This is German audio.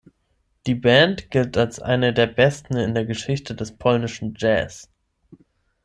Die Band gilt als eine der besten in der Geschichte des polnischen Jazz.